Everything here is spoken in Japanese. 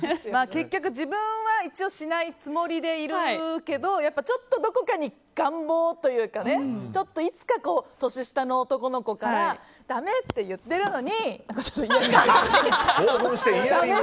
結局、自分は一応しないつもりでいるけどちょっと、どこかに願望というかいつか年下の男の子からだめって言ってるのに。